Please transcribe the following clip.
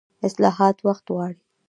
اصلاحات وخت غواړي